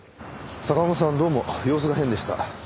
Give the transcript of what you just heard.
坂本さんどうも様子が変でした。